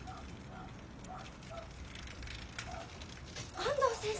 安藤先生！